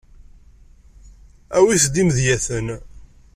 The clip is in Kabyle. Awit-d imedyaten.